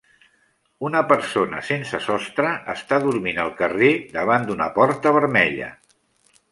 Una persona sense sostre està dormint al carrer davant d'una porta vermella.